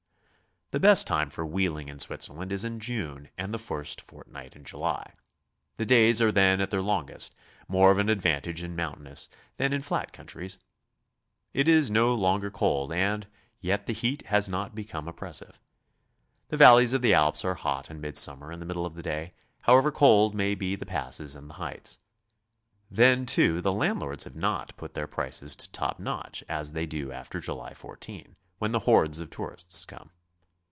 The best time for wheeling in Switzerland is in June and the first fortnight in July. The days are then at their longest, — more of an advantage in mountainous than in flat countries. It is no longer cold, and yet the heat has not become op pressive. The valleys of the Alps are hot in ni'idsummer in the middle of the day, however cold may be the passes and the heights. Then, too, the landlords have not put their prices to top notch as they do after July 14, when the hordes of tourists come.